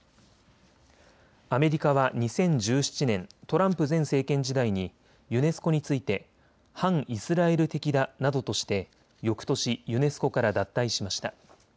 アメリカは２０１７年、トランプ前政権時代にユネスコについて反イスラエル的だなどとしてよくとし、ユネスコから脱退しました。